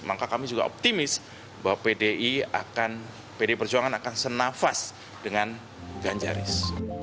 maka kami juga optimis bahwa pdi perjuangan akan senafas dengan ganjaris